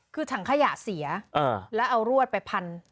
คือถังขยะเสียแล้วเอารวดไปพัน